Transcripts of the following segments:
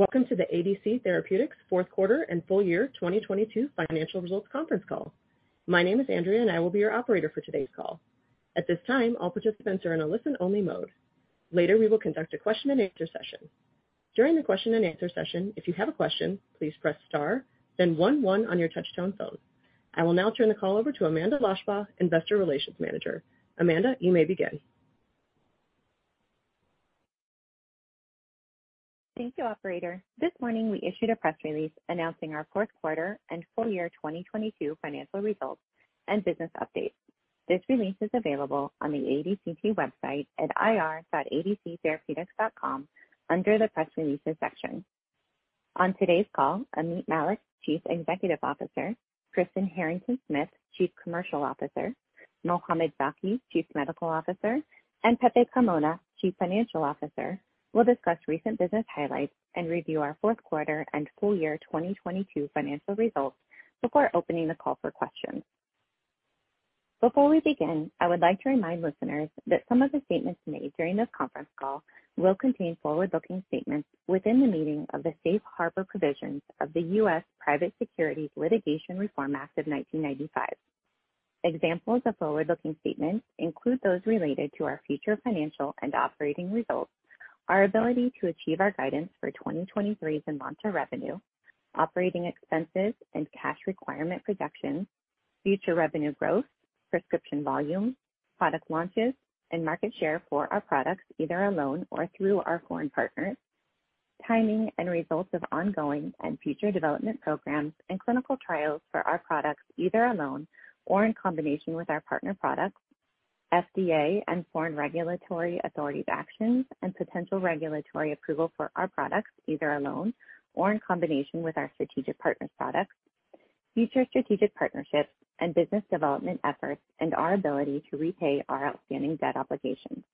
Welcome to the ADC Therapeutics fourth quarter and full year 2022 financial results conference call. My name is Andrea, and I will be your operator for today's call. At this time, all participants are in a listen-only mode. Later, we will conduct a question-and-answer session. During the question-and-answer session, if you have a question, please press star then one one on your touchtone phone. I will now turn the call over to Amanda Hamilton, Investor Relations Manager. Amanda, you may begin. Thank you, operator. This morning, we issued a press release announcing our fourth quarter and full year 2022 financial results and business update. This release is available on the ADCT website at ir.adctherapeutics.com under the Press Releases section. On today's call, Ameet Mallik, Chief Executive Officer; Kristen Harrington-Smith, Chief Commercial Officer; Mohamed Zaki, Chief Medical Officer; and Pepe Carmona, Chief Financial Officer, will discuss recent business highlights and review our fourth quarter and full year 2022 financial results before opening the call for questions. Before we begin, I would like to remind listeners that some of the statements made during this conference call will contain forward-looking statements within the meaning of the Safe Harbor provisions of the U.S. Private Securities Litigation Reform Act of 1995. Examples of forward-looking statements include those related to our future financial and operating results, our ability to achieve our guidance for 2023 ZYNLONTA revenue, operating expenses and cash requirement reductions, future revenue growth, prescription volume, product launches, and market share for our products, either alone or through our foreign partners, timing and results of ongoing and future development programs and clinical trials for our products, either alone or in combination with our partner products, FDA and foreign regulatory authorities' actions and potential regulatory approval for our products, either alone or in combination with our strategic partners' products, future strategic partnerships and business development efforts, and our ability to repay our outstanding debt obligations.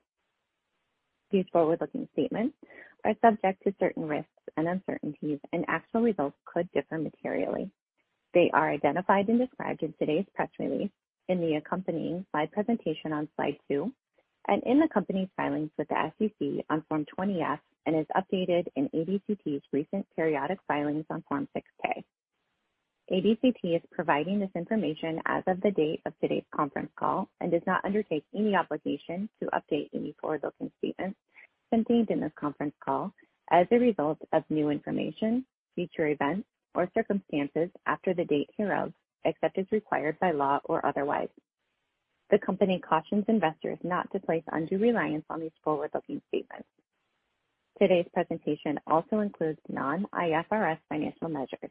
These forward-looking statements are subject to certain risks and uncertainties. Actual results could differ materially. They are identified and described in today's press release, in the accompanying slide presentation on slide two, and in the company's filings with the SEC on Form 20-F and is updated in ADCT's recent periodic filings on Form 6-K. ADCT is providing this information as of the date of today's conference call and does not undertake any obligation to update any forward-looking statements contained in this conference call as a result of new information, future events, or circumstances after the date hereof, except as required by law or otherwise. The company cautions investors not to place undue reliance on these forward-looking statements. Today's presentation also includes non-IFRS financial measures.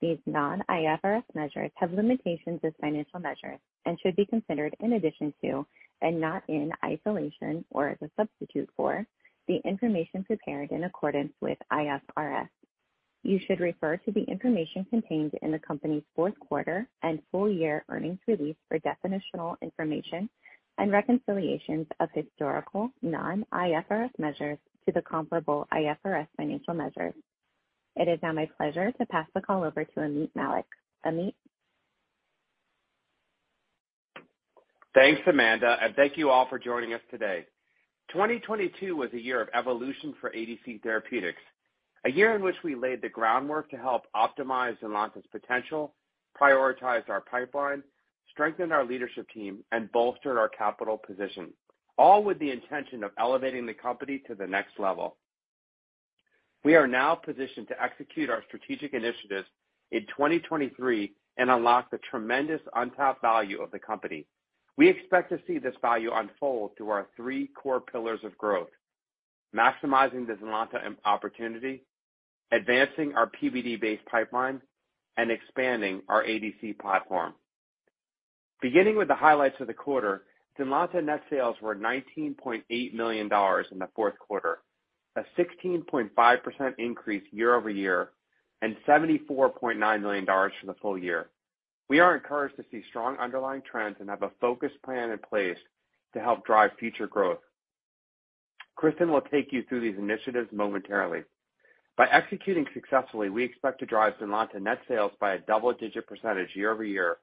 These non-IFRS measures have limitations as financial measures and should be considered in addition to, and not in isolation or as a substitute for, the information prepared in accordance with IFRS. You should refer to the information contained in the company's fourth quarter and full year earnings release for definitional information and reconciliations of historical non-IFRS measures to the comparable IFRS financial measures. It is now my pleasure to pass the call over to Ameet Mallik. Ameet? Thanks, Amanda. Thank you all for joining us today. 2022 was a year of evolution for ADC Therapeutics, a year in which we laid the groundwork to help optimize ZYNLONTA's potential, prioritized our pipeline, strengthened our leadership team, and bolstered our capital position, all with the intention of elevating the company to the next level. We are now positioned to execute our strategic initiatives in 2023 and unlock the tremendous untapped value of the company. We expect to see this value unfold through our three core pillars of growth: maximizing the ZYNLONTA opportunity, advancing our PBD-based pipeline, and expanding our ADC platform. Beginning with the highlights of the quarter, ZYNLONTA net sales were $19.8 million in the fourth quarter, a 16.5% increase year-over-year, and $74.9 million for the full year. We are encouraged to see strong underlying trends and have a focused plan in place to help drive future growth. Kristen will take you through these initiatives momentarily. By executing successfully, we expect to drive ZYNLONTA net sales by a double-digit % year-over-year,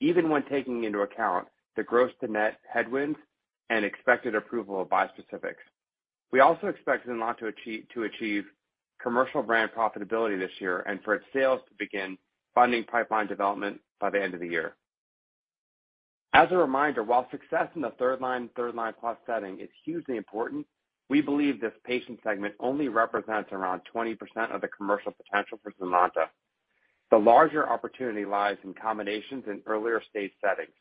even when taking into account the gross to net headwinds and expected approval of bispecifics. We also expect ZYNLONTA to achieve commercial brand profitability this year and for its sales to begin funding pipeline development by the end of the year. As a reminder, while success in the third line, third line plus setting is hugely important, we believe this patient segment only represents around 20% of the commercial potential for ZYNLONTA. The larger opportunity lies in combinations in earlier stage settings.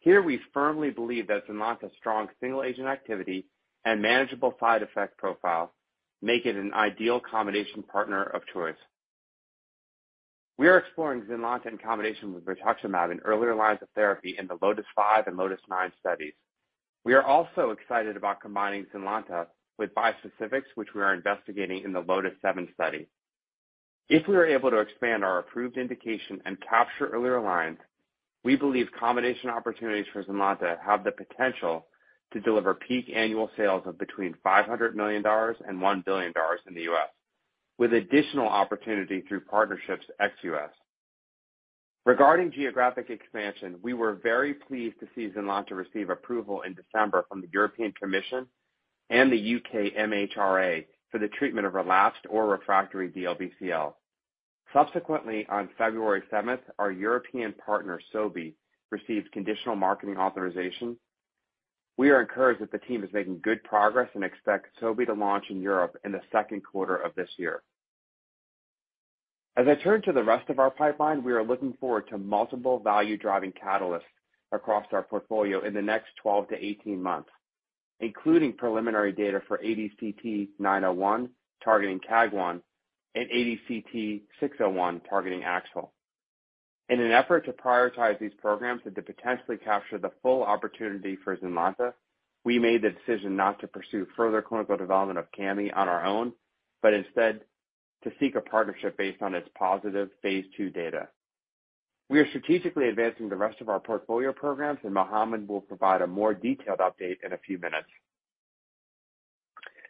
Here, we firmly believe that ZYNLONTA's strong single agent activity and manageable side effect profile make it an ideal combination partner of choice. We are exploring ZYNLONTA in combination with rituximab in earlier lines of therapy in the LOTIS-5 and LOTIS-9 studies. We are also excited about combining ZYNLONTA with bispecifics, which we are investigating in the LOTIS-7 study. If we are able to expand our approved indication and capture earlier lines, we believe combination opportunities for ZYNLONTA have the potential to deliver peak annual sales of between $500 million and $1 billion in the U.S., with additional opportunity through partnerships ex-U.S. Regarding geographic expansion, we were very pleased to see ZYNLONTA receive approval in December from the European Commission and the U.K. MHRA for the treatment of relapsed or refractory DLBCL. Subsequently, on February 7th, our European partner, Sobi, received conditional marketing authorization. We are encouraged that the team is making good progress and expect Sobi to launch in Europe in the second quarter of this year. I turn to the rest of our pipeline, we are looking forward to multiple value-driving catalysts across our portfolio in the next 12 to 18 months, including preliminary data for ADCT-901 targeting KAAG1 and ADCT-601 targeting AXL. In an effort to prioritize these programs and to potentially capture the full opportunity for ZYNLONTA, we made the decision not to pursue further clinical development of Cami on our own, but instead to seek a partnership based on its positive phase II data. We are strategically advancing the rest of our portfolio programs, Mohamed will provide a more detailed update in a few minutes.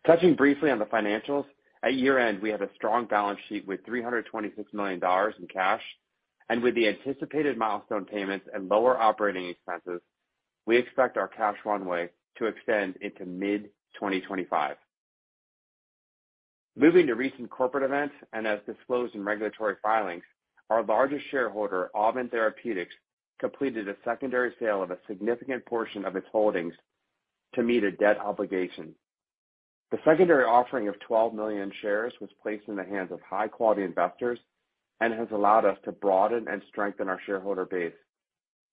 Touching briefly on the financials, at year-end, we had a strong balance sheet with $326 million in cash. With the anticipated milestone payments and lower operating expenses, we expect our cash runway to extend into mid-2025. Moving to recent corporate events, and as disclosed in regulatory filings, our largest shareholder, Auven Therapeutics, completed a secondary sale of a significant portion of its holdings to meet a debt obligation. The secondary offering of 12 million shares was placed in the hands of high-quality investors and has allowed us to broaden and strengthen our shareholder base.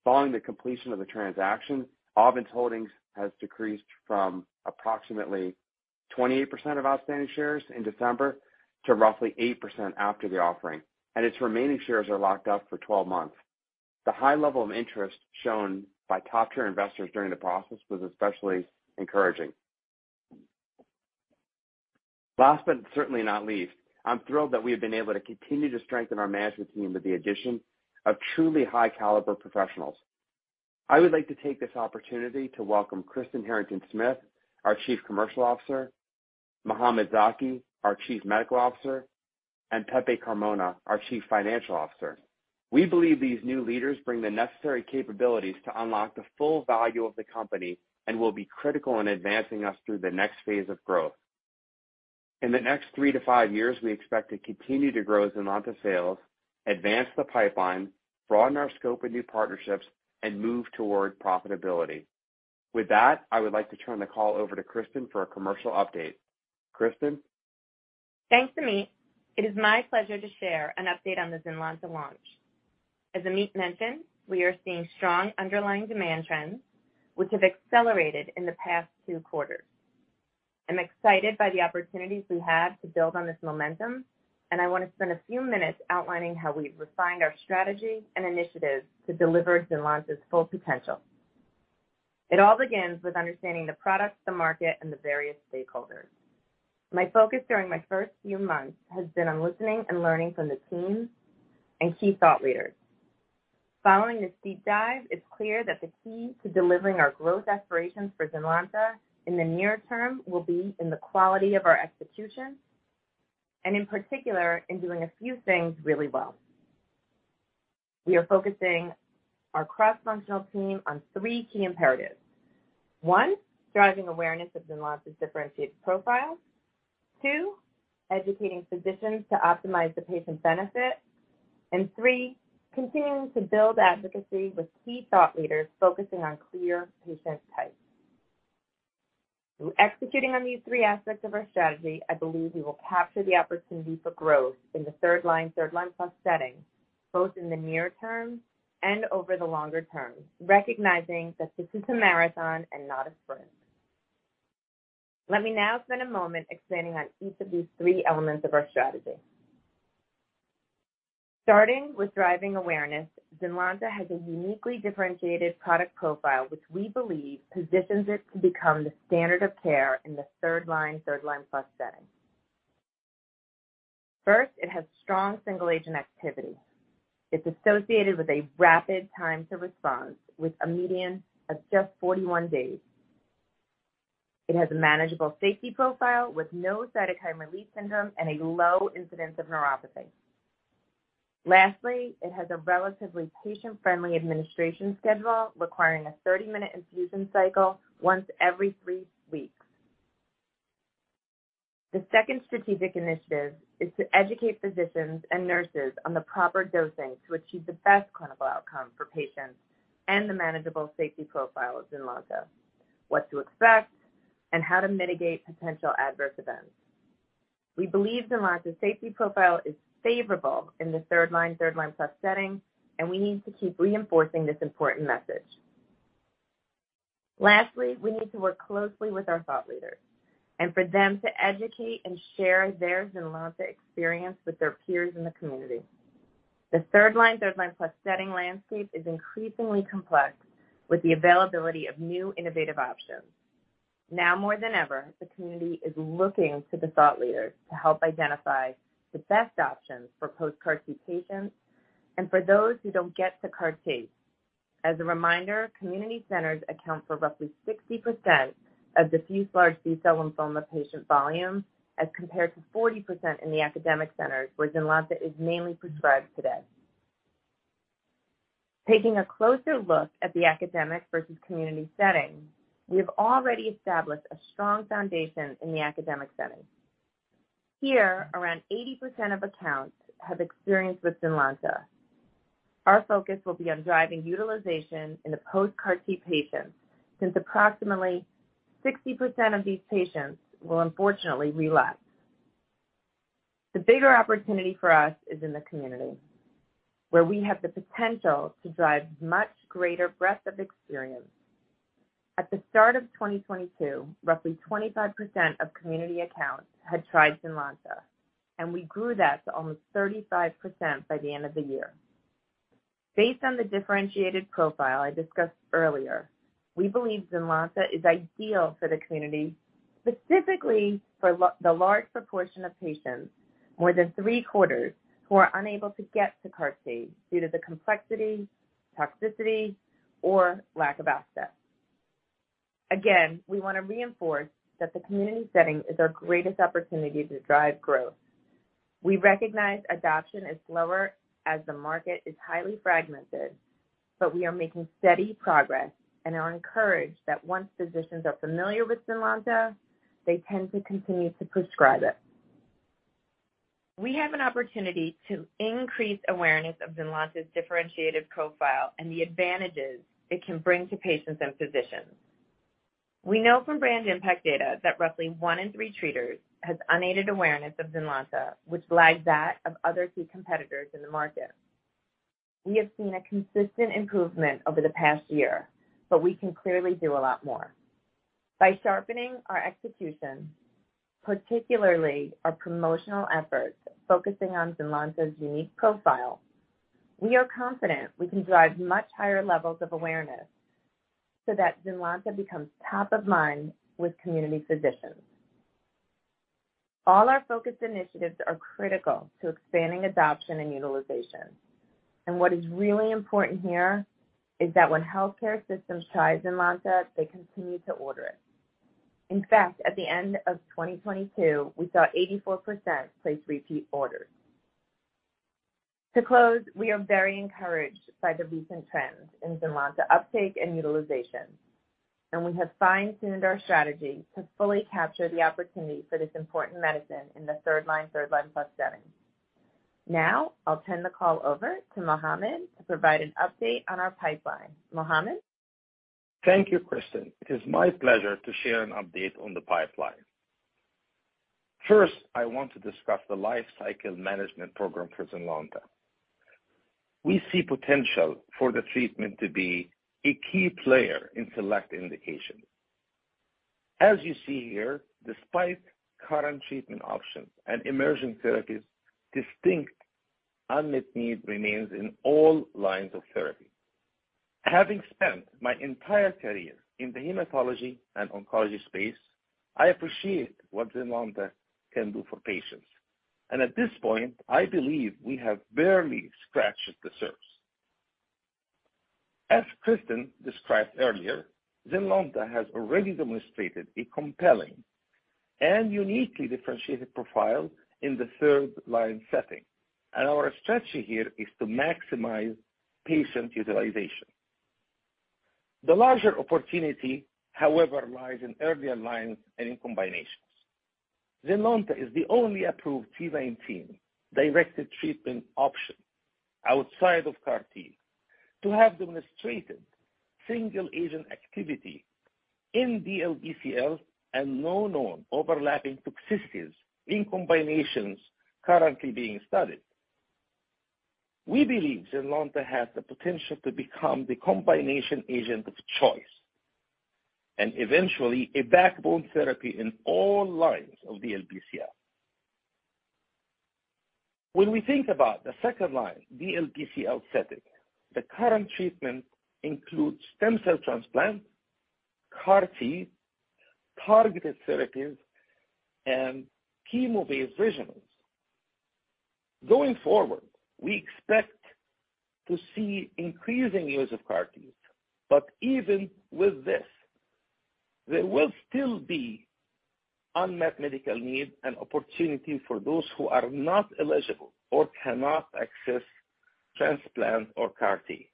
Following the completion of the transaction, Auven's holdings has decreased from approximately 28% of outstanding shares in December to roughly 8% after the offering, and its remaining shares are locked up for 12 months. The high level of interest shown by top-tier investors during the process was especially encouraging. Last, but certainly not least, I'm thrilled that we have been able to continue to strengthen our management team with the addition of truly high-caliber professionals. I would like to take this opportunity to welcome Kristen Harrington-Smith, our Chief Commercial Officer, Mohamed Zaki, our Chief Medical Officer, and Pepe Carmona, our Chief Financial Officer. We believe these new leaders bring the necessary capabilities to unlock the full value of the company and will be critical in advancing us through the next phase of growth. In the next three to five years, we expect to continue to grow ZYNLONTA sales, advance the pipeline, broaden our scope of new partnerships, and move toward profitability. With that, I would like to turn the call over to Kristen for a commercial update. Kristen. Thanks, Ameet. It is my pleasure to share an update on the ZYNLONTA launch. As Ameet mentioned, we are seeing strong underlying demand trends, which have accelerated in the past two quarters. I'm excited by the opportunities we have to build on this momentum, and I want to spend a few minutes outlining how we've refined our strategy and initiatives to deliver ZYNLONTA's full potential. It all begins with understanding the products, the market, and the various stakeholders. My focus during my first few months has been on listening and learning from the teams and key thought leaders. Following this deep dive, it's clear that the key to delivering our growth aspirations for ZYNLONTA in the near term will be in the quality of our execution, and in particular, in doing a few things really well. We are focusing our cross-functional team on three key imperatives. One, driving awareness of ZYNLONTA's differentiated profile. Two, educating physicians to optimize the patient benefit. Three, continuing to build advocacy with key thought leaders focusing on clear patient types. Through executing on these three aspects of our strategy, I believe we will capture the opportunity for growth in the third line, third line plus setting, both in the near term and over the longer term, recognizing that this is a marathon and not a sprint. Let me now spend a moment expanding on each of these three elements of our strategy. Starting with driving awareness, ZYNLONTA has a uniquely differentiated product profile, which we believe positions it to become the standard of care in the third line, third line plus setting. First, it has strong single-agent activity. It's associated with a rapid time to response with a median of just 41 days. It has a manageable safety profile with no cytokine release syndrome and a low incidence of neuropathy. Lastly, it has a relatively patient-friendly administration schedule requiring a 30-minute infusion cycle once every three weeks. The second strategic initiative is to educate physicians and nurses on the proper dosing to achieve the best clinical outcome for patients and the manageable safety profile of ZYNLONTA, what to expect, and how to mitigate potential adverse events. We believe ZYNLONTA's safety profile is favorable in the third line, third line plus setting, and we need to keep reinforcing this important message. Lastly, we need to work closely with our thought leaders and for them to educate and share their ZYNLONTA experience with their peers in the community. The third line, third line plus setting landscape is increasingly complex with the availability of new innovative options. Now more than ever, the community is looking to the thought leaders to help identify the best options for post-CAR-T patients and for those who don't get to CAR-T. As a reminder, community centers account for roughly 60% of diffuse large B-cell lymphoma patient volume as compared to 40% in the academic centers where ZYNLONTA is mainly prescribed today. Taking a closer look at the academic versus community setting, we have already established a strong foundation in the academic setting. Here, around 80% of accounts have experience with ZYNLONTA. Our focus will be on driving utilization in the post-CAR-T patients, since approximately 60% of these patients will unfortunately relapse. The bigger opportunity for us is in the community, where we have the potential to drive much greater breadth of experience. At the start of 2022, roughly 25% of community accounts had tried ZYNLONTA, and we grew that to almost 35% by the end of the year. Based on the differentiated profile I discussed earlier, we believe ZYNLONTA is ideal for the community, specifically for the large proportion of patients, more than three-quarters, who are unable to get to CAR-T due to the complexity, toxicity, or lack of access. Again, we wanna reinforce that the community setting is our greatest opportunity to drive growth. We recognize adoption is slower as the market is highly fragmented, but we are making steady progress and are encouraged that once physicians are familiar with ZYNLONTA, they tend to continue to prescribe it. We have an opportunity to increase awareness of ZYNLONTA's differentiated profile and the advantages it can bring to patients and physicians. We know from brand impact data that roughly one in three treaters has unaided awareness of ZYNLONTA, which lags that of other key competitors in the market. We have seen a consistent improvement over the past year, but we can clearly do a lot more. By sharpening our execution, particularly our promotional efforts focusing on ZYNLONTA's unique profile, we are confident we can drive much higher levels of awareness so that ZYNLONTA becomes top of mind with community physicians. All our focused initiatives are critical to expanding adoption and utilization. What is really important here is that when healthcare systems try ZYNLONTA, they continue to order it. In fact, at the end of 2022, we saw 84% place repeat orders. To close, we are very encouraged by the recent trends in ZYNLONTA uptake and utilization, and we have fine-tuned our strategy to fully capture the opportunity for this important medicine in the third line/third line plus setting. I'll turn the call over to Mohamed to provide an update on our pipeline. Mohamed? Thank you, Kristen. It is my pleasure to share an update on the pipeline. First, I want to discuss the lifecycle management program for ZYNLONTA. We see potential for the treatment to be a key player in select indications. As you see here, despite current treatment options and emerging therapies, distinct unmet need remains in all lines of therapy. Having spent my entire career in the hematology and oncology space, I appreciate what ZYNLONTA can do for patients. At this point, I believe we have barely scratched the surface. As Kristen described earlier, ZYNLONTA has already demonstrated a compelling and uniquely differentiated profile in the third line setting, and our strategy here is to maximize patient utilization. The larger opportunity, however, lies in earlier lines and in combinations. ZYNLONTA is the only approved CD19-directed treatment option outside of CAR-T to have demonstrated single-agent activity in DLBCL and no known overlapping toxicities in combinations currently being studied. We believe ZYNLONTA has the potential to become the combination agent of choice and eventually a backbone therapy in all lines of DLBCL. When we think about the 2L DLBCL setting, the current treatment includes stem cell transplant, CAR-T, targeted therapies, and chemo-based regimens. Going forward, we expect to see increasing use of CAR-T. Even with this, there will still be unmet medical need and opportunity for those who are not eligible or cannot access transplant or CAR-T.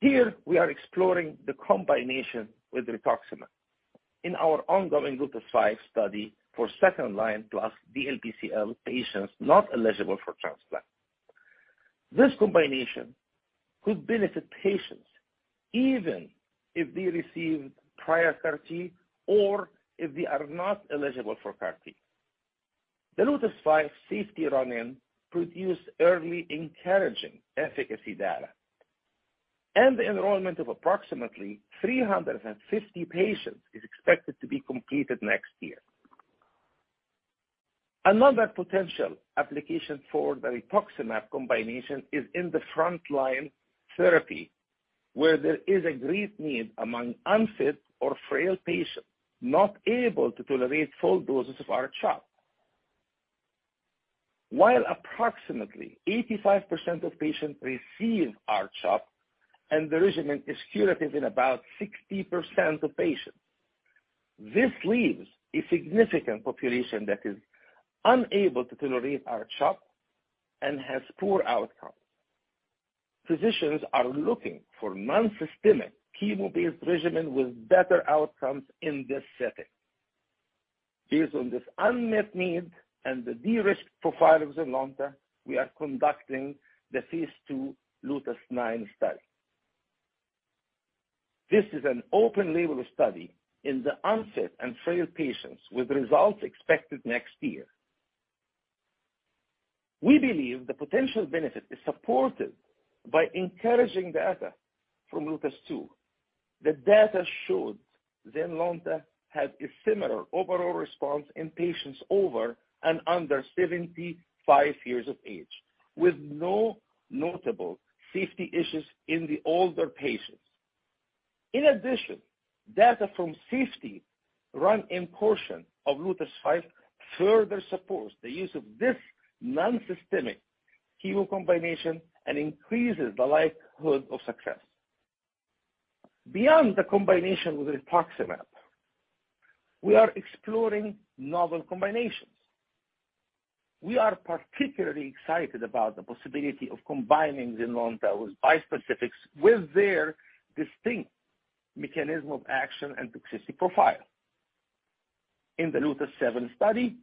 Here, we are exploring the combination with rituximab in our ongoing LOTIS-5 study for 2L+ DLBCL patients not eligible for transplant. This combination could benefit patients even if they received prior CAR-T or if they are not eligible for CAR-T. The LOTIS-5 safety run-in produced early encouraging efficacy data, and the enrollment of approximately 350 patients is expected to be completed next year. Another potential application for the Rituximab combination is in the front-line therapy, where there is a great need among unfit or frail patients not able to tolerate full doses of R-CHOP. While approximately 85% of patients receive R-CHOP and the regimen is curative in about 60% of patients, this leaves a significant population that is unable to tolerate R-CHOP and has poor outcomes. Physicians are looking for nonsystemic chemo-based regimen with better outcomes in this setting. Based on this unmet need and the de-risk profile of ZYNLONTA, we are conducting the phase II LOTIS-9 study. This is an open-label study in the unfit and frail patients with results expected next year. We believe the potential benefit is supported by encouraging data from LOTIS-2. The data showed ZYNLONTA had a similar overall response in patients over and under 75 years of age, with no notable safety issues in the older patients. In addition, data from safety run-in portion of LOTIS-5 further supports the use of this nonsystemic chemo combination and increases the likelihood of success. Beyond the combination with rituximab, we are exploring novel combinations. We are particularly excited about the possibility of combining ZYNLONTA with bispecifics, with their distinct mechanism of action and toxicity profile. In the LOTIS-7 study,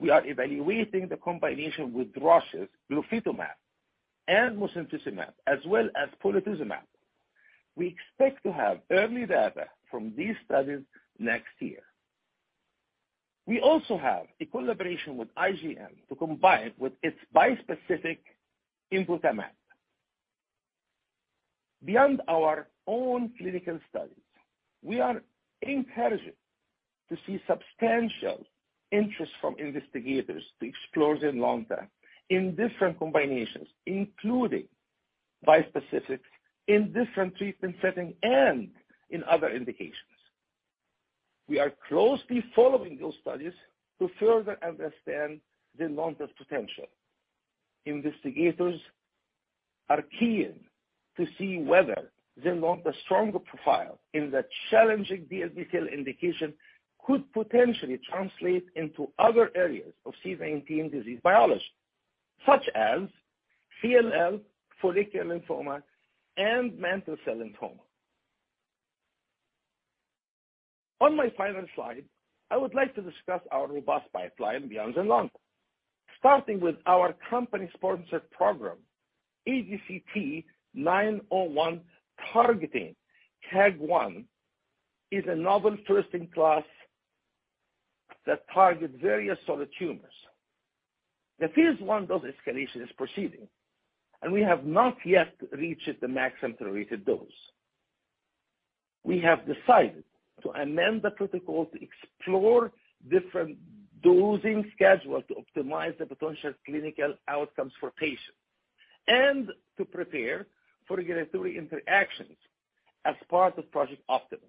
we are evaluating the combination with Roche's glofitamab and mosunetuzumab, as well as polatuzumab. We expect to have early data from these studies next year. We also have a collaboration with IGM to combine with its bispecific imvotamab. Beyond our own clinical studies, we are encouraged to see substantial interest from investigators to explore ZYNLONTA in different combinations, including bispecifics in different treatment setting and in other indications. We are closely following those studies to further understand ZYNLONTA's potential. Investigators are keen to see whether ZYNLONTA's stronger profile in the challenging DLBCL indication could potentially translate into other areas of CD19 disease biology, such as CLL, follicular lymphoma, and mantle cell lymphoma. On my final slide, I would like to discuss our robust pipeline beyond ZYNLONTA. Starting with our company-sponsored program, ADCT-901 targeting KAAG1 is a novel first-in-class that targets various solid tumors. The phase I dose escalation is proceeding, and we have not yet reached the maximum tolerated dose. We have decided to amend the protocol to explore different dosing schedules to optimize the potential clinical outcomes for patients and to prepare for regulatory interactions as part of Project Optimus.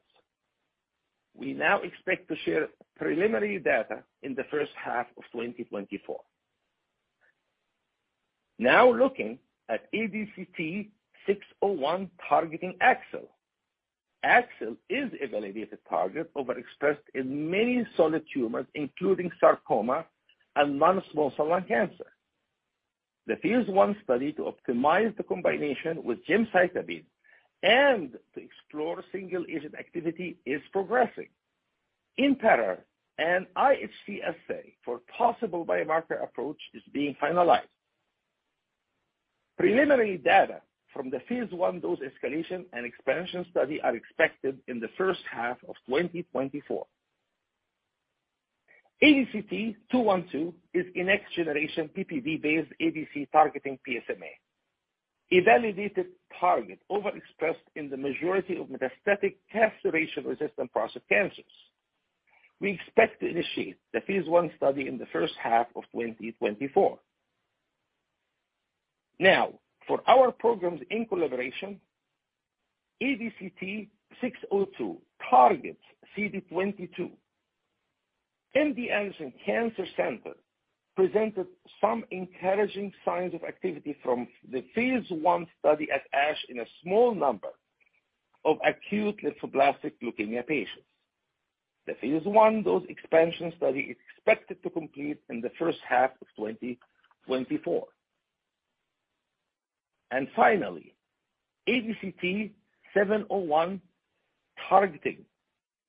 We now expect to share preliminary data in the first half of 2024. Looking at ADCT-601 targeting AXL. AXL is a validated target overexpressed in many solid tumors, including sarcoma and non-small cell lung cancer. The phase I study to optimize the combination with gemcitabine and to explore single agent activity is progressing. In parallel, an IHC assay for possible biomarker approach is being finalized. Preliminary data from the phase I dose escalation and expansion study are expected in the first half of 2024. ADCT-212 is a next generation PBD-based ADC targeting PSMA, a validated target overexpressed in the majority of metastatic castration-resistant prostate cancers. We expect to initiate the phase I study in the first half of 2024. For our programs in collaboration, ADCT-602 targets CD22. MD Anderson Cancer Center presented some encouraging signs of activity from the phase I study at ASH in a small number of acute lymphoblastic leukemia patients. The phase I dose expansion study is expected to complete in the first half of 2024. Finally, ADCT-701 targeting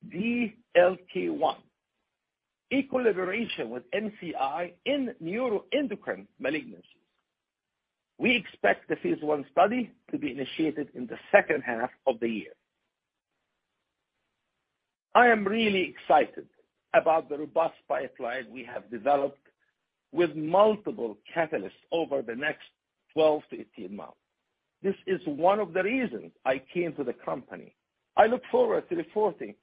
DLK1, a collaboration with NCI in neuroendocrine malignancies. We expect the phase I study to be initiated in the second half of the year. I am really excited about the robust pipeline we have developed with multiple catalysts over the next 12 to 18 months. This is one of the reasons I came to the company. I look forward to reporting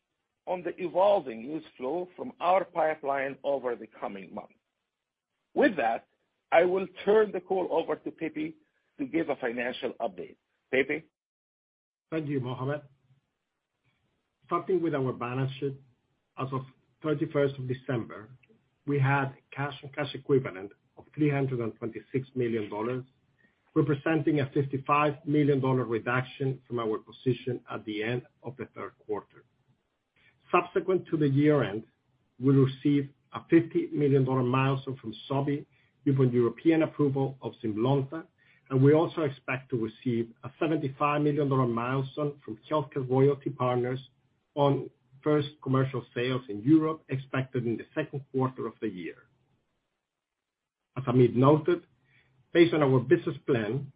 on the evolving news flow from our pipeline over the coming months. With that, I will turn the call over to Pepe to give a financial update. Pepe? Thank you, Mohamed. Starting with our balance sheet, as of 31st of December, we had cash and cash equivalent of $326 million, representing a $55 million reduction from our position at the end of the third quarter. Subsequent to the year-end, we received a $50 million milestone from Sobi given European approval of ZYNLONTA. We also expect to receive a $75 million milestone from HealthCare Royalty Partners on first commercial sales in Europe, expected in the second quarter of the year. As Ameet noted, based on our business plan,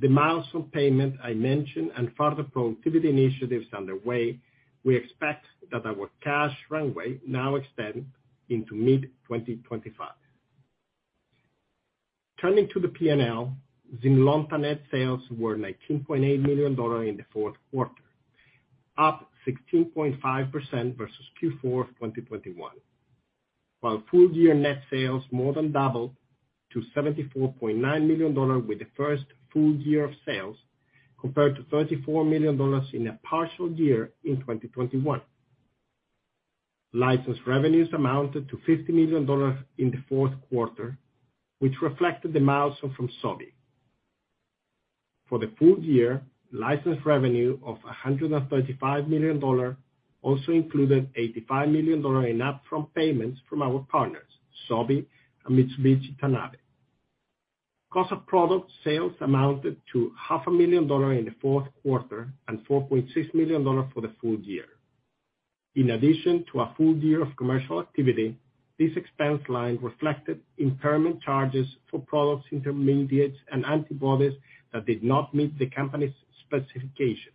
the milestone payment I mentioned and further productivity initiatives underway, we expect that our cash runway now extend into mid-2025. Turning to the P&L, ZYNLONTA net sales were $19.8 million in the fourth quarter, up 16.5% versus Q4 of 2021, while full year net sales more than doubled to $74.9 million with the first full year of sales, compared to $34 million in a partial year in 2021. License revenues amounted to $50 million in the fourth quarter, which reflected the milestone from Sobi. For the full year, license revenue of $135 million also included $85 million in upfront payments from our partners, Sobi and Mitsubishi Tanabe. Cost of product sales amounted to half a million dollar in the fourth quarter and $4.6 million for the full year. In addition to a full year of commercial activity, this expense line reflected impairment charges for products, intermediates, and antibodies that did not meet the company's specifications.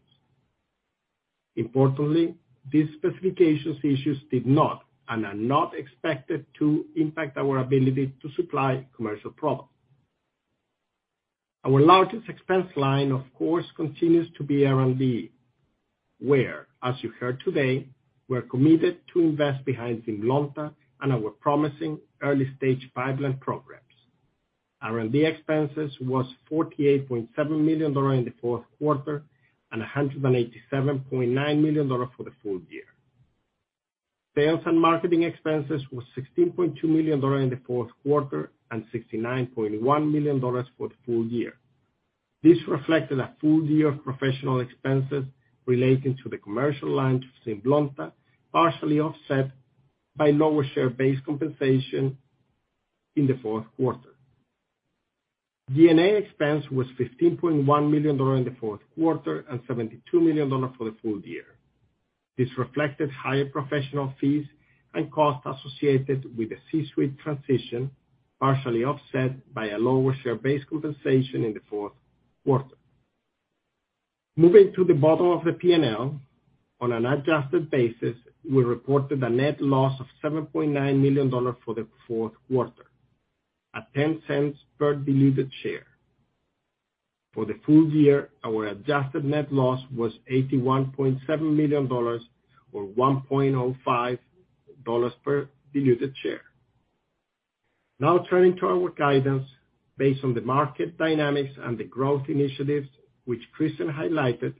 Importantly, these specifications issues did not and are not expected to impact our ability to supply commercial products. Our largest expense line, of course, continues to be R&D, where, as you heard today, we're committed to invest behind ZYNLONTA and our promising early-stage pipeline programs. R&D expenses was $48.7 million in the fourth quarter and $187.9 million for the full year. Sales and marketing expenses was $16.2 million in the fourth quarter and $69.1 million for the full year. This reflected a full year of professional expenses relating to the commercial launch of ZYNLONTA, partially offset by lower share-based compensation in the fourth quarter. G&A expense was $15.1 million in the fourth quarter and $72 million for the full year. This reflected higher professional fees and costs associated with the C-suite transition, partially offset by a lower share-based compensation in the fourth quarter. Moving to the bottom of the P&L, on an adjusted basis, we reported a net loss of $7.9 million for the fourth quarter at $0.10 per diluted share. For the full year, our adjusted net loss was $81.7 million or $1.05 per diluted share. Turning to our guidance. Based on the market dynamics and the growth initiatives which Kristen highlighted,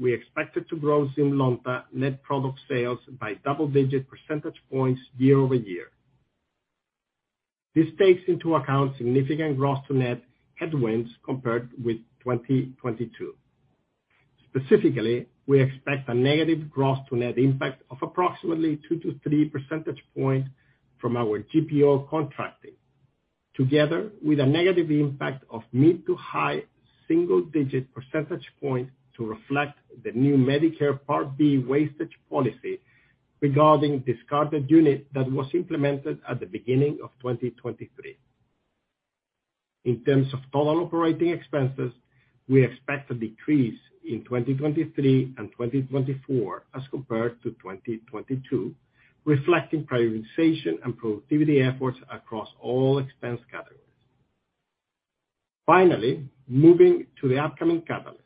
we expected to grow ZYNLONTA net product sales by double-digit percentage points year-over-year. This takes into account significant gross to net headwinds compared with 2022. Specifically, we expect a negative gross to net impact of approximately two to three percentage points from our GPO contracting, together with a negative impact of mid to high single digit percentage points to reflect the new Medicare Part B wastage policy regarding discarded unit that was implemented at the beginning of 2023. In terms of total operating expenses, we expect a decrease in 2023 and 2024 as compared to 2022, reflecting prioritization and productivity efforts across all expense categories. Moving to the upcoming catalyst.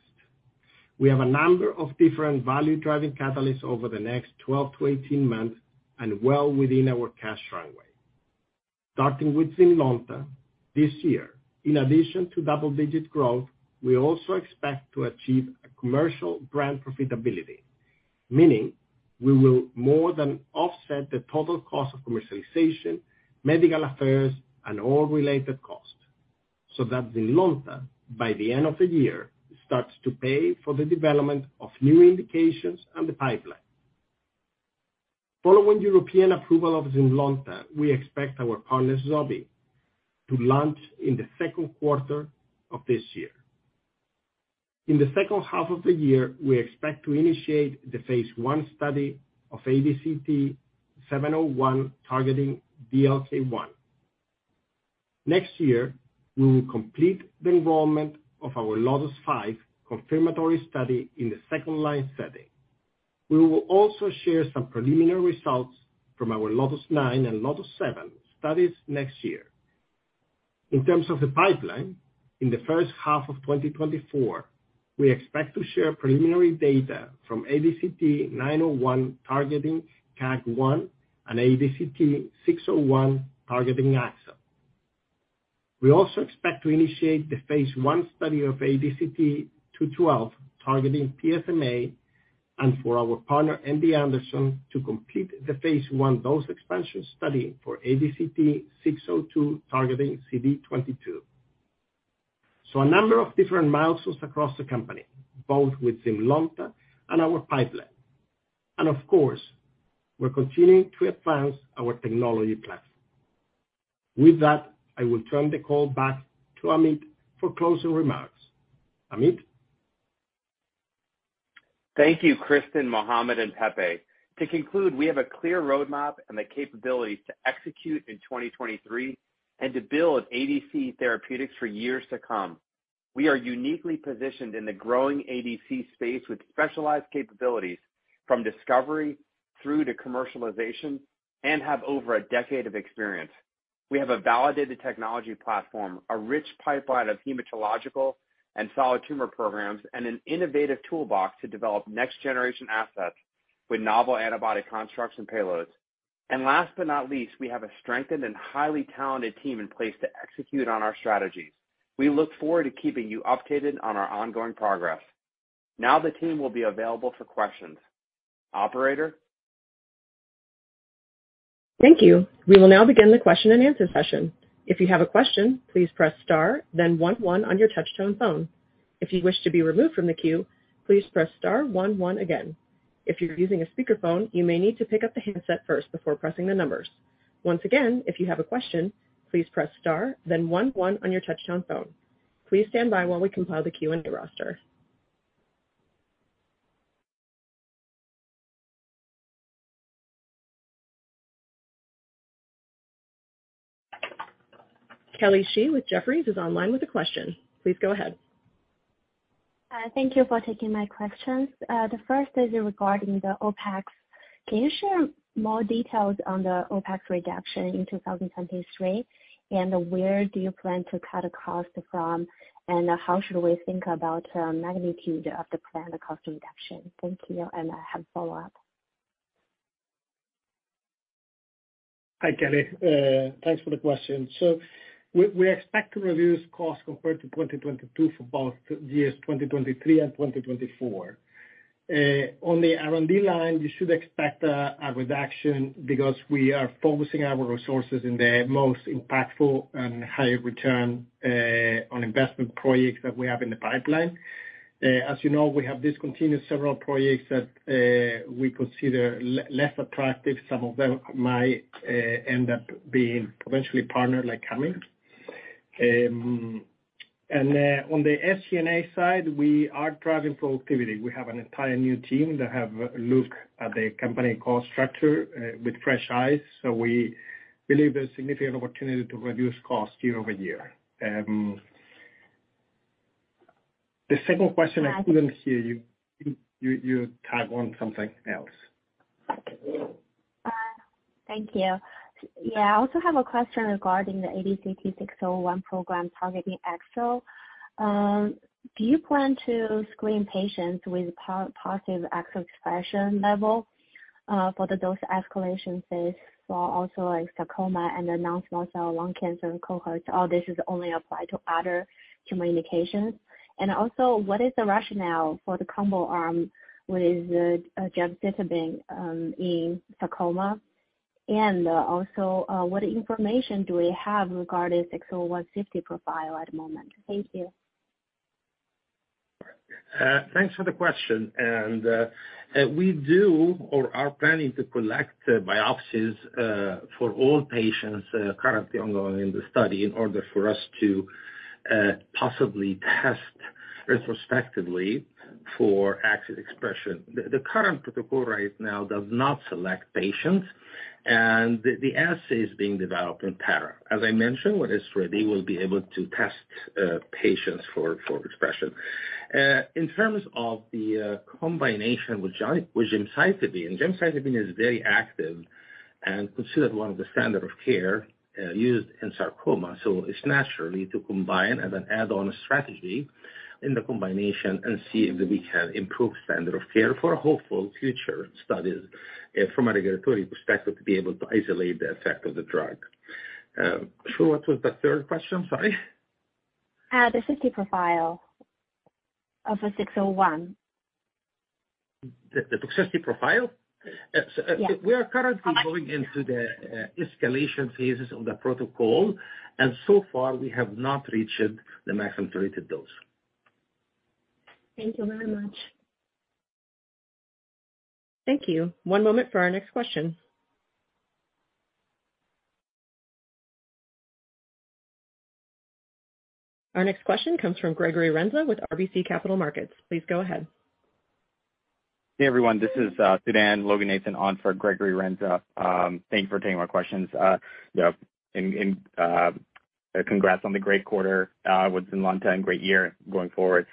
We have a number of different value-driving catalysts over the next 12-18 months and well within our cash runway. Starting with ZYNLONTA, this year, in addition to double-digit growth, we also expect to achieve a commercial grand profitability, meaning we will more than offset the total cost of commercialization, medical affairs, and all related costs, so that ZYNLONTA, by the end of the year, starts to pay for the development of new indications on the pipeline. Following European approval of ZYNLONTA, we expect our partner, Sobi, to launch in the second quarter of this year. In the second half of the year, we expect to initiate the phase I study of ADCT-701 targeting DLK1. Next year, we will complete the enrollment of our LOTIS-5 confirmatory study in the second line setting. We will also share some preliminary results from our LOTIS-9 and LOTIS-7 studies next year. In terms of the pipeline, in the first half of 2024, we expect to share preliminary data from ADCT-901 targeting KAAG1 and ADCT-601 targeting AXL. We also expect to initiate the phase I study of ADCT-212 targeting PSMA, and for our partner, MD Anderson, to complete the phase I dose expansion study for ADCT-602 targeting CD22. A number of different milestones across the company, both with ZYNLONTA and our pipeline. Of course, we're continuing to advance our technology plans. With that, I will turn the call back to Ameet for closing remarks. Ameet? Thank you, Kristen, Mohamed, and Pepe. To conclude, we have a clear roadmap and the capabilities to execute in 2023 and to build ADC Therapeutics for years to come. We are uniquely positioned in the growing ADC space with specialized capabilities from discovery through to commercialization, and have over a decade of experience. We have a validated technology platform, a rich pipeline of hematological and solid tumor programs, and an innovative toolbox to develop next-generation assets with novel antibody constructs and payloads. Last but not least, we have a strengthened and highly talented team in place to execute on our strategies. We look forward to keeping you updated on our ongoing progress. Now the team will be available for questions. Operator? Thank you. We will now begin the question-and-answer session. If you have a question, please press star then one one on your touch-tone phone. If you wish to be removed from the queue, please press star one one again. If you're using a speakerphone, you may need to pick up the handset first before pressing the numbers. Once again, if you have a question, please press star then one one on your touch-tone phone. Please stand by while we compile the Q&A roster. Kelly Shi with Jefferies is online with a question. Please go ahead. Thank you for taking my questions. The first is regarding the OpEx. Can you share more details on the OpEx reduction in 2023, where do you plan to cut costs from, how should we think about magnitude of the planned cost reduction? Thank you. I have follow-up. Hi, Kelly. Thanks for the question. We expect to reduce costs compared to 2022 for both years 2023 and 2024. On the R&D line, you should expect a reduction because we are focusing our resources in the most impactful and higher return on investment projects that we have in the pipeline. As you know, we have discontinued several projects that we consider less attractive. Some of them might end up being potentially partnered, like Cami. On the SG&A side, we are driving productivity. We have an entire new team that have looked at the company cost structure with fresh eyes, so we believe there's significant opportunity to reduce costs year-over-year. The second question I couldn't hear you. You tagged on something else. Thank you. Yeah, I also have a question regarding the ADCT-601 program targeting AXL. Do you plan to screen patients with positive AXL expression level for the dose escalation phase for also like sarcoma and the non-small cell lung cancer cohorts? Or this is only applied to other tumor indications? Also, what is the rationale for the combo arm with gemcitabine in sarcoma? Also, what information do we have regarding 601 safety profile at the moment? Thank you. Thanks for the question. We do or are planning to collect biopsies for all patients currently ongoing in the study in order for us to possibly test retrospectively for AXL expression. The current protocol right now does not select patients, and the assay is being developed in para. As I mentioned, when it's ready, we'll be able to test patients for expression. In terms of the combination with gemcitabine is very active and considered one of the standard of care used in sarcoma. It's naturally to combine as an add-on strategy in the combination and see if we can improve standard of care for hopeful future studies from a regulatory perspective, to be able to isolate the effect of the drug. What was the third question? Sorry. The safety profile of the 601. The safety profile? Yes. We are currently going into the escalation phases of the protocol. So far we have not reached the maximum treated dose. Thank you very much. Thank you. One moment for our next question. Our next question comes from Gregory Renza with RBC Capital Markets. Please go ahead. Hey, everyone. This is Sudan Loganathan on for Gregory Renza. Thank you for taking my questions. You know, and congrats on the great quarter with ZYNLONTA and great year going forward.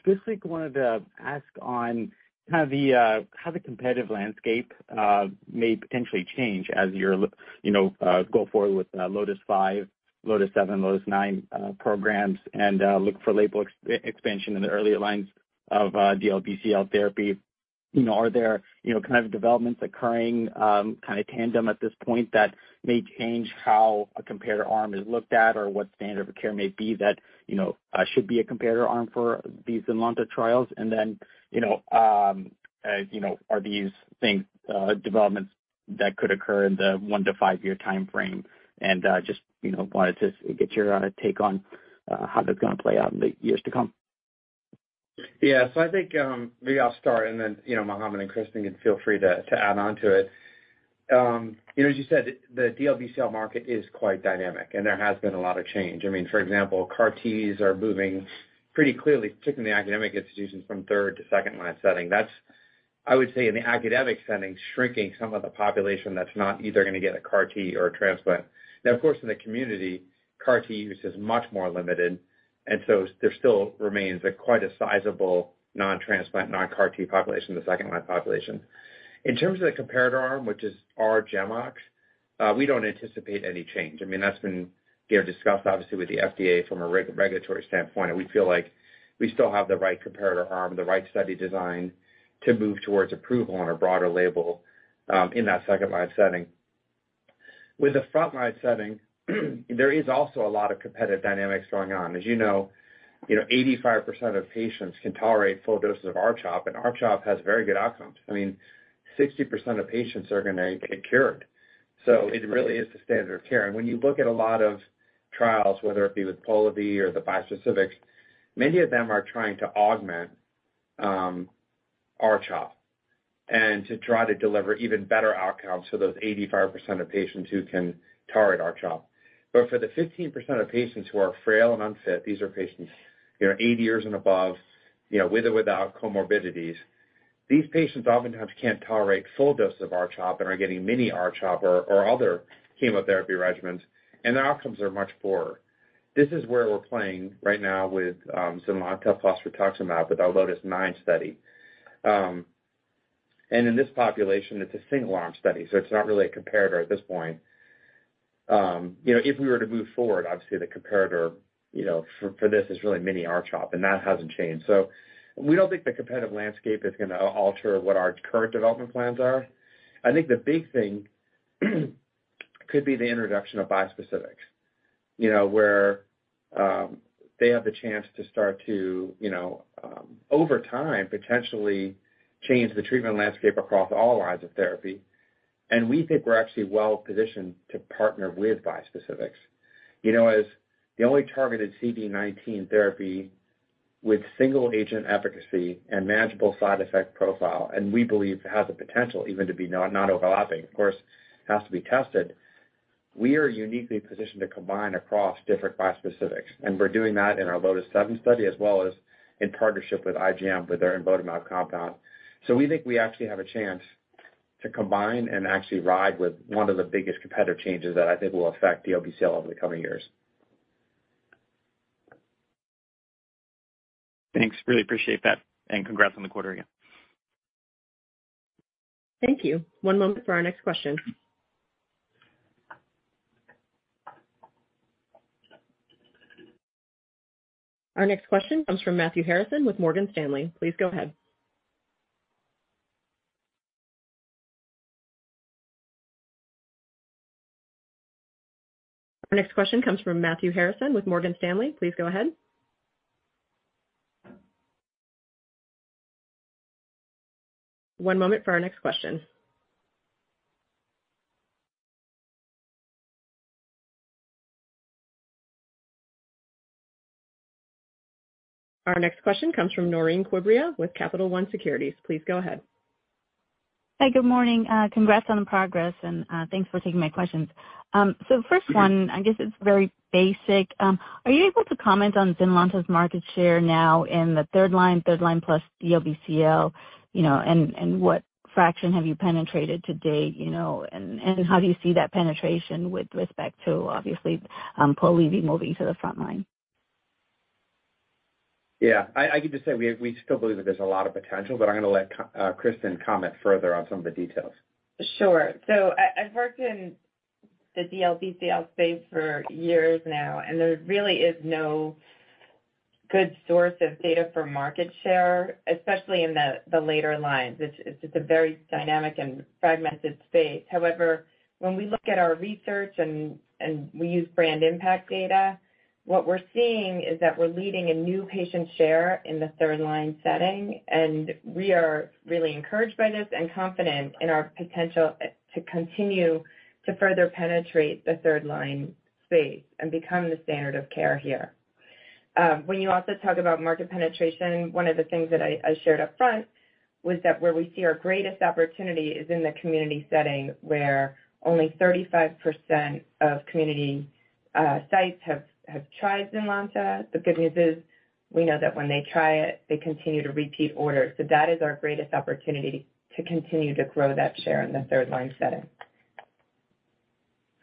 Specifically wanted to ask on how the competitive landscape may potentially change as you're, you know, go forward with LOTIS-5, LOTIS-7, LOTIS-9 programs and look for label ex-expansion in the earlier lines of DLBCL therapy. You know, are there, you know, kind of developments occurring kind of tandem at this point that may change how a comparator arm is looked at or what standard of care may be that, you know, should be a comparator arm for these ZYNLONTA trials? You know, as you know, are these things, developments that could occur in the one to five year timeframe? Just, you know, wanted to get your take on how that's gonna play out in the years to come. Yeah. I think maybe I'll start, and then, you know, Mohamed and Kristen can feel free to add on to it. You know, as you said, the DLBCL market is quite dynamic, and there has been a lot of change. I mean, for example, CAR-Ts are moving pretty clearly, particularly in the academic institutions from third to second-line setting. That's I would say in the academic setting, shrinking some of the population that's not either gonna get a CAR-T or a transplant. Of course, in the community, CAR-T use is much more limited, and so there still remains a quite a sizable non-transplant, non-CAR-T population, the second-line population. In terms of the comparator arm, which is our GEMOX, we don't anticipate any change. I mean, that's been, you know, discussed obviously with the FDA from a regulatory standpoint, and we feel like we still have the right comparator arm, the right study design to move towards approval on a broader label, in that second-line setting. With the front-line setting, there is also a lot of competitive dynamics going on. As you know, you know, 85% of patients can tolerate full doses of R-CHOP, and R-CHOP has very good outcomes. I mean, 60% of patients are gonna get cured, so it really is the standard of care. When you look at a lot of trials, whether it be with Polivy or the bispecifics, many of them are trying to augment R-CHOP and to try to deliver even better outcomes to those 85% of patients who can tolerate R-CHOP. For the 15% of patients who are frail and unfit, these are patients, you know, 80 years and above, you know, with or without comorbidities. These patients oftentimes can't tolerate full dose of R-CHOP and are getting mini R-CHOP or other chemotherapy regimens, and their outcomes are much poorer. This is where we're playing right now with ZYNLONTA with our LOTIS-9 study. And in this population, it's a single-arm study, so it's not really a comparator at this point. You know, if we were to move forward, obviously the comparator, you know, for this is really mini R-CHOP, and that hasn't changed. We don't think the competitive landscape is gonna alter what our current development plans are. I think the big thing could be the introduction of bispecifics, you know, where they have the chance to start to, you know, over time, potentially change the treatment landscape across all lines of therapy. We think we're actually well-positioned to partner with bispecifics. You know, as the only targeted CD19 therapy with single-agent efficacy and manageable side effect profile, and we believe it has the potential even to be non-overlapping. Of course, it has to be tested. We are uniquely positioned to combine across different bispecifics, and we're doing that in our LOTIS-7 study as well as in partnership with IGM, with their imvotamab compound. We think we actually have a chance to combine and actually ride with one of the biggest competitive changes that I think will affect DLBCL over the coming years. Thanks. Really appreciate that. Congrats on the quarter again. Thank you. One moment for our next question. Our next question comes from Matthew Harrison with Morgan Stanley. Please go ahead. Our next question comes from Matthew Harrison with Morgan Stanley. Please go ahead. One moment for our next question. Our next question comes from Naureen Quibria with Capital One Securities. Please go ahead. Hi, good morning. Congrats on the progress, and thanks for taking my questions. First one, I guess it's very basic. Are you able to comment on ZYNLONTA's market share now in the 3L, 3L+ DLBCL, you know, and what fraction have you penetrated to date, you know? How do you see that penetration with respect to obviously, Polivy moving to the front line? Yeah. I can just say we still believe that there's a lot of potential, but I'm gonna let Kristen comment further on some of the details. Sure. I've worked in the DLBCL space for years now, and there really is no good source of data for market share, especially in the later lines. It's just a very dynamic and fragmented space. When we look at our research and we use brand impact data, what we're seeing is that we're leading a new patient share in the third-line setting, and we are really encouraged by this and confident in our potential to continue to further penetrate the third-line space and become the standard of care here. When you also talk about market penetration, one of the things that I shared upfront was that where we see our greatest opportunity is in the community setting where only 35% of community sites have tried ZYNLONTA. The good news is we know that when they try it, they continue to repeat orders. That is our greatest opportunity to continue to grow that share in the third-line setting.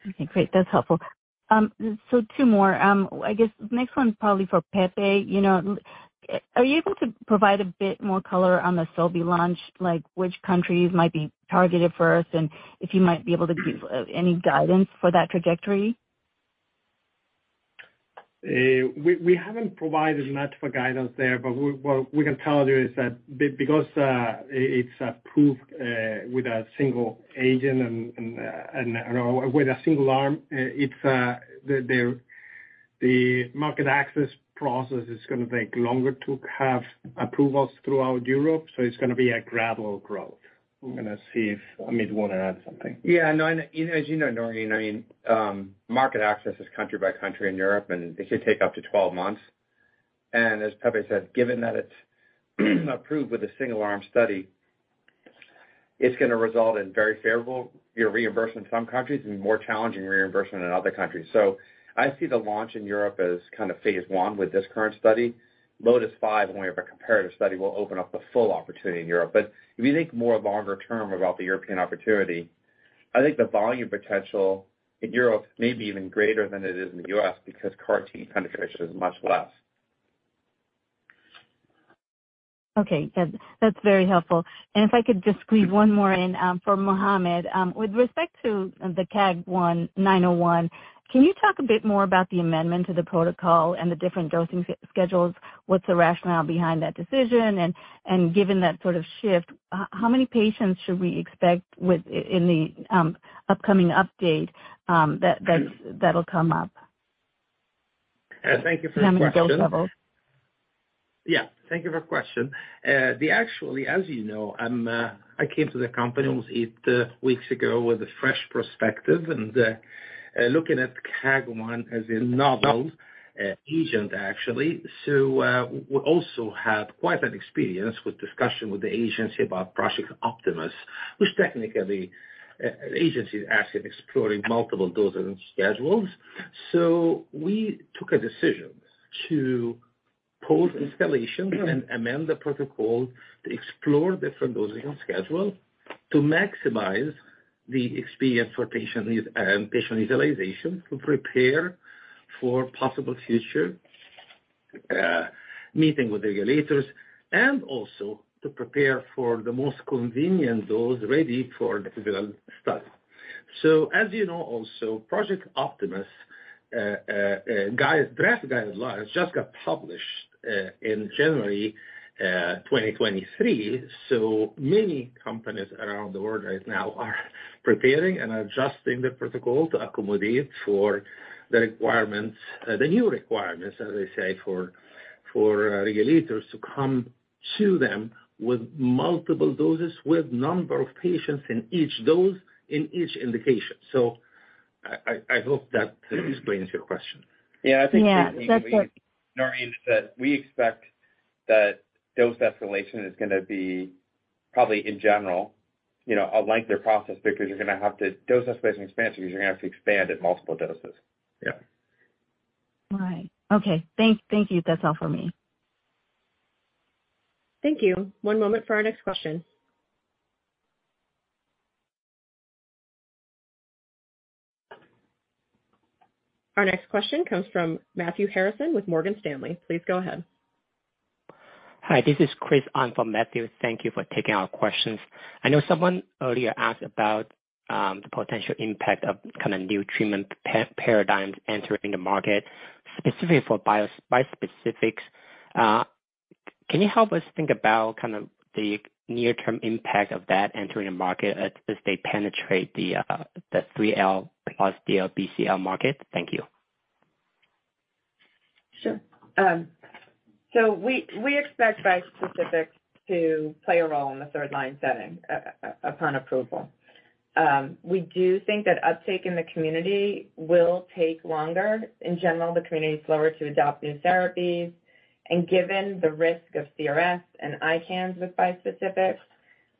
Okay, great. That's helpful. Two more. I guess next one's probably for Pepe. You know, are you able to provide a bit more color on the ZYNLONTA launch, like which countries might be targeted first, and if you might be able to give any guidance for that trajectory? We haven't provided much of a guidance there. What we can tell you is that because it's approved with a single agent and with a single arm, it's the market access process is gonna take longer to have approvals throughout Europe. It's gonna be a gradual growth. I'm gonna see if Ameet wanna add something. Yeah, no. As you know, Noreen, I mean, market access is country by country in Europe, and it could take up to 12 months. As Pepe said, given that it's approved with a single arm study, it's gonna result in very favorable reimbursement in some countries and more challenging reimbursement in other countries. I see the launch in Europe as kind of phase I with this current study. LOTIS-5, when we have a comparative study, will open up the full opportunity in Europe. If you think more longer term about the European opportunity, I think the volume potential in Europe may be even greater than it is in the U.S. because CAR-T penetration is much less. Okay. That's very helpful. If I could just squeeze one more in for Mohamed. With respect to the KAAG1-901, can you talk a bit more about the amendment to the protocol and the different dosing schedules? What's the rationale behind that decision? Given that sort of shift, how many patients should we expect in the upcoming update that's that'll come up? Thank you for the question. How many dose levels? Yeah. Thank you for question. Actually, as you know, I came to the company almost 8 weeks ago with a fresh perspective and looking at KAAG1 as a novel agent actually. We also had quite an experience with discussion with the agency about Project Optimus, which technically an agency is actually exploring multiple doses and schedules. We took a decision to pause escalation and amend the protocol to explore different dosing schedule to maximize the experience for patient and patient utilization, to prepare for possible future meeting with regulators, and also to prepare for the most convenient dose ready for the pivotal study. As you know also, Project Optimus draft guidelines just got published in January 2023. Many companies around the world right now are preparing and adjusting their protocol to accommodate for the requirements, the new requirements, as I say, for regulators to come to them with multiple doses, with number of patients in each dose in each indication. I hope that explains your question. Yeah. Yeah. That's. Naureen, is that we expect that dose escalation is gonna be probably in general, you know, a lengthier process because dose escalation expands because you're gonna have to expand at multiple doses. Yeah. All right. Okay. Thank you. That's all for me. Thank you. One moment for our next question. Our next question comes from Matthew Harrison with Morgan Stanley. Please go ahead. Hi, this is Chris on for Matthew. Thank you for taking our questions. I know someone earlier asked about the potential impact of kind of new treatment paradigm entering the market, specifically for bispecifics. Can you help us think about kind of the near-term impact of that entering the market as they penetrate the 3L+ DLBCL market? Thank you. Sure. We expect bispecifics to play a role in the third-line setting upon approval. We do think that uptake in the community will take longer. In general, the community is slower to adopt new therapies, and given the risk of CRS and ICANS with bispecifics,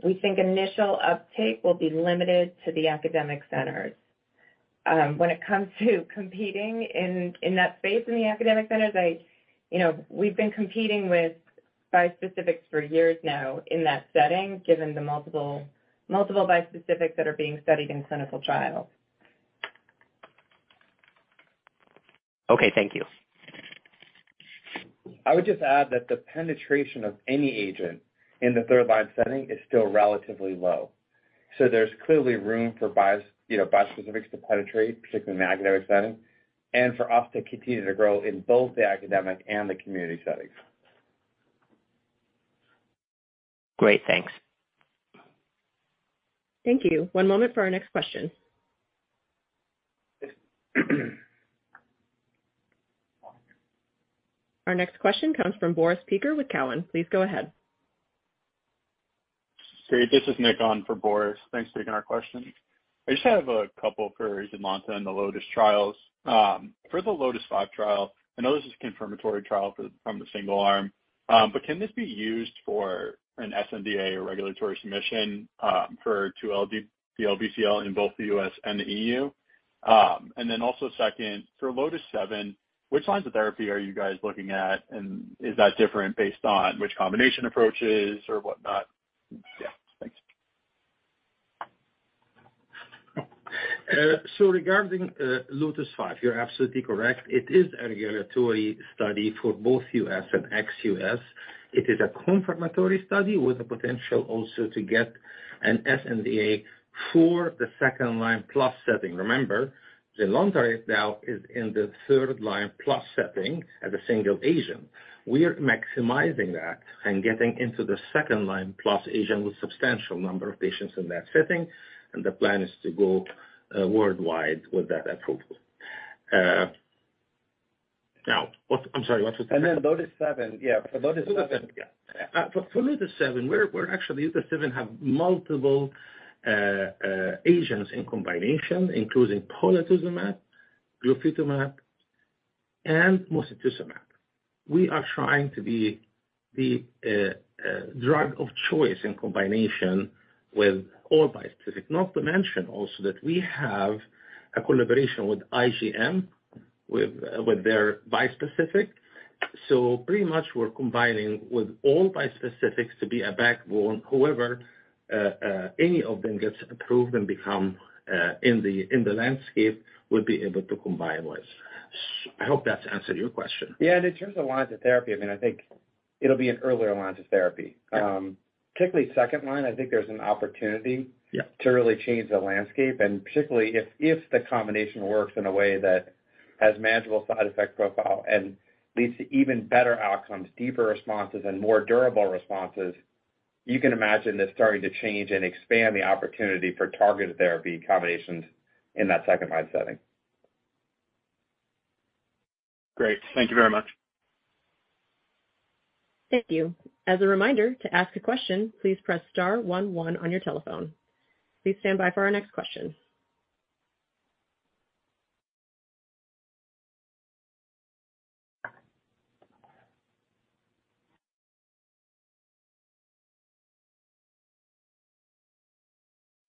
we think initial uptake will be limited to the academic centers. When it comes to competing in that space in the academic centers, you know, we've been competing with bispecifics for years now in that setting, given the multiple bispecifics that are being studied in clinical trials. Okay. Thank you. I would just add that the penetration of any agent in the third line setting is still relatively low. There's clearly room for you know, bispecifics to penetrate, particularly in the academic setting, and for us to continue to grow in both the academic and the community settings. Great. Thanks. Thank you. One moment for our next question. Our next question comes from Boris Peaker with Cowen. Please go ahead. Great. This is Nick on for Boris. Thanks for taking our questions. I just have a couple for ZYNLONTA and the LOTIS trials. For the LOTIS-5 trial, I know this is a confirmatory trial from the single arm. Can this be used for an sNDA or regulatory submission for 2L DLBCL in both the U.S. And the E.U.? Also second, for LOTIS-7, which lines of therapy are you guys looking at? Is that different based on which combination approaches or whatnot? Yeah. Thanks. Regarding LOTIS-5, you're absolutely correct. It is a regulatory study for both U.S. and ex-U.S. It is a confirmatory study with the potential also to get an sNDA for the second-line plus setting. Remember, ZYNLONTA right now is in the third-line plus setting as a single agent. We are maximizing that and getting into the second-line plus agent with substantial number of patients in that setting. The plan is to go worldwide with that approval. Now what. I'm sorry, what was that? LOTIS-7. Yeah. For LOTIS-7. Yeah. For LOTIS-7, we're actually. LOTIS-7 has multiple agents in combination, including polatuzumab, glofitamab, and mosunetuzumab. We are trying to be the drug of choice in combination with all bispecific. Not to mention also that we have a collaboration with IGM with their bispecific. Pretty much we're combining with all bispecifics to be a backbone. Whoever any of them gets approved and become in the landscape will be able to combine with. I hope that's answered your question. Yeah. In terms of lines of therapy, I mean, I think it'll be an earlier launch of therapy. Particularly second line, I think there's an opportunity. Yeah. To really change the landscape, and particularly if the combination works in a way that has manageable side effect profile and leads to even better outcomes, deeper responses and more durable responses, you can imagine this starting to change and expand the opportunity for targeted therapy combinations in that second line setting. Great. Thank you very much. Thank you. As a reminder, to ask a question, please press star one one on your telephone. Please stand by for our next question.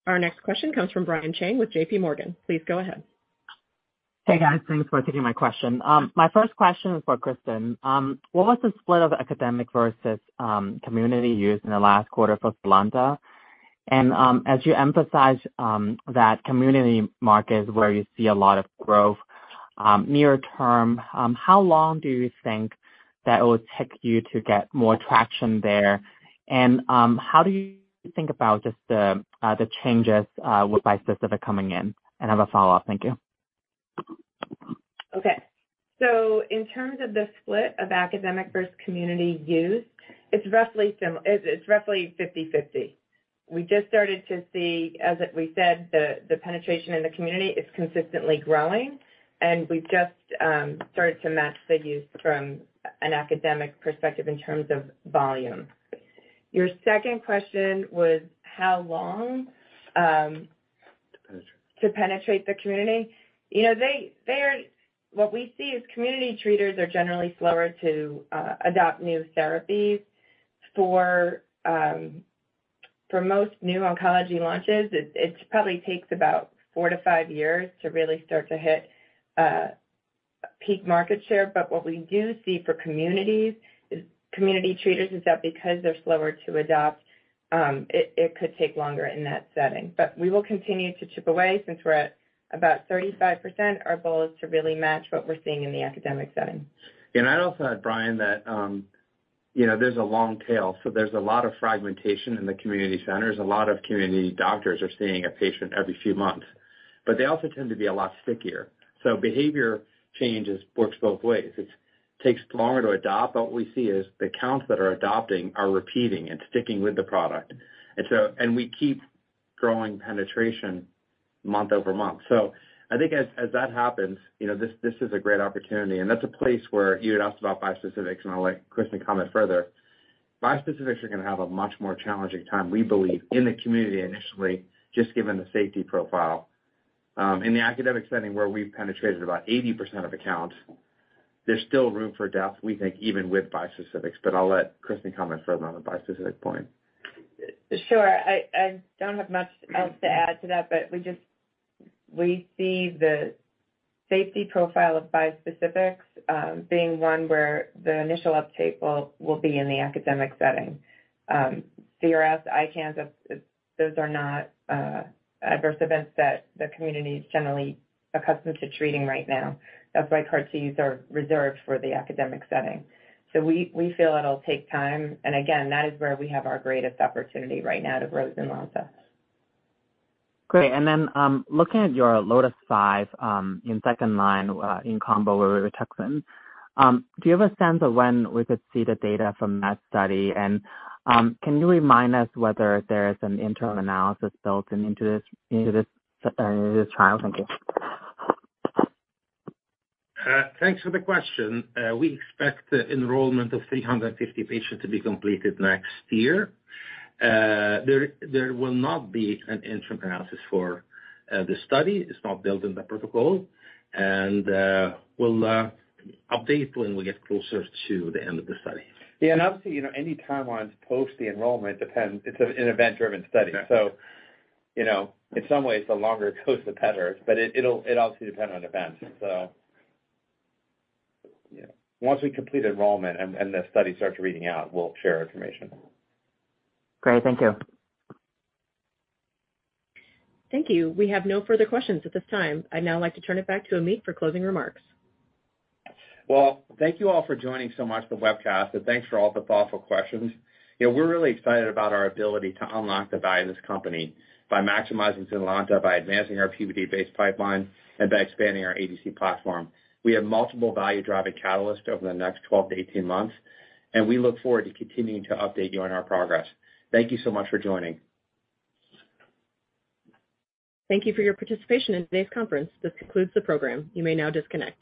Our next question comes from Brian Cheng with J.P. Morgan. Please go ahead. Hey, guys. Thanks for taking my question. My first question is for Kristen. What was the split of academic versus community use in the last quarter for ZYNLONTA? As you emphasize, that community market is where you see a lot of growth near term, how long do you think that it would take you to get more traction there? How do you think about just the changes with bispecific coming in? I have a follow-up. Thank you. In terms of the split of academic versus community use, it's roughly 50/50. We just started to see, as we said, the penetration in the community is consistently growing, and we've just started to match the use from an academic perspective in terms of volume. Your second question was how long to penetrate the community. You know, what we see is community treaters are generally slower to adopt new therapies. For most new oncology launches, it probably takes about four to five years to really start to hit peak market share. What we do see for communities is, community treaters, is that because they're slower to adopt, it could take longer in that setting. We will continue to chip away since we're at about 35%. Our goal is to really match what we're seeing in the academic setting. I'd also add, Brian, that, you know, there's a long tail, so there's a lot of fragmentation in the community centers. A lot of community doctors are seeing a patient every few months, but they also tend to be a lot stickier. Behavior changes works both ways. It's takes longer to adopt, but what we see is the counts that are adopting are repeating and sticking with the product. We keep growing penetration month-over-month. I think as that happens, you know, this is a great opportunity, and that's a place where you had asked about bispecifics, and I'll let Kristen comment further. Bispecifics are gonna have a much more challenging time, we believe, in the community initially, just given the safety profile. In the academic setting where we've penetrated about 80% of accounts, there's still room for depth, we think even with bispecifics, but I'll let Kristen comment further on the bispecific point. Sure. I don't have much else to add to that, but we see the safety profile of bispecifics being one where the initial uptake will be in the academic setting. CRS, ICANS, those are not adverse events that the community is generally accustomed to treating right now. That's why CAR Ts are reserved for the academic setting. We feel it'll take time. Again, that is where we have our greatest opportunity right now to grow ZYNLONTA. Great. Looking at your LOTIS-5, in second line, in combo with rituximab, do you have a sense of when we could see the data from that study? Can you remind us whether there is an interim analysis built in into this trial? Thank you. Thanks for the question. We expect the enrollment of 350 patients to be completed next year. There will not be an interim analysis for the study. It's not built in the protocol. We'll update when we get closer to the end of the study. Yeah. Obviously, you know, any timelines post the enrollment depends. It's an event-driven study. Yeah. You know, in some ways, the longer it goes, the better, but it'll obviously depend on events. You know, once we complete enrollment and the study starts reading out, we'll share information. Great. Thank you. Thank you. We have no further questions at this time. I'd now like to turn it back to Ameet for closing remarks. Well, thank you all for joining so much the webcast, and thanks for all the thoughtful questions. You know, we're really excited about our ability to unlock the value of this company by maximizing ZYNLONTA, by advancing our PBD-based pipeline, and by expanding our ADC platform. We have multiple value-driving catalysts over the next 12-18 months, and we look forward to continuing to update you on our progress. Thank you so much for joining. Thank you for your participation in today's conference. This concludes the program. You may now disconnect.